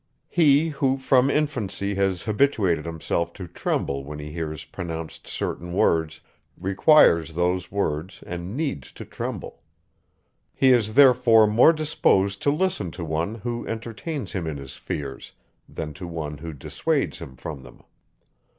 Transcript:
He, who from infancy has habituated himself to tremble when he hears pronounced certain words, requires those words and needs to tremble. He is therefore more disposed to listen to one, who entertains him in his fears, than to one, who dissuades him from them.